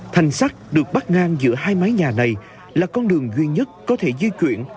thành sắt được bắt ngang giữa hai mái nhà này là con đường duy nhất có thể di chuyển